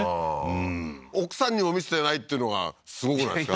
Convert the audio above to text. うん奥さんにも見せてないっていうのがすごくないですか？